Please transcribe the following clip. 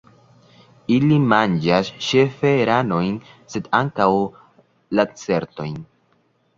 Ili manĝas ĉefe ranojn, sed ankaŭ lacertojn.